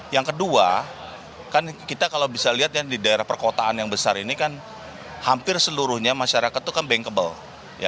yang kedua kan kita kalau bisa lihat ya di daerah perkotaan yang besar ini kan hampir seluruhnya masyarakat itu kan bankable